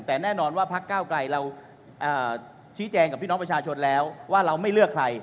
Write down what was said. แต่แน่นอนว่าพักเก้าไกลเราชี้แจงกับพี่น้องประชาชนแล้วว่าเราไม่เลือกใคร